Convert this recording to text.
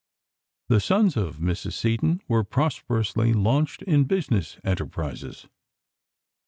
The sons of Mrs. Seton were prosperously launched in business enterprises.